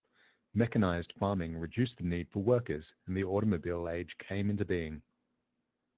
Mechanized farming reduced the need for workers, and the automobile age came into being.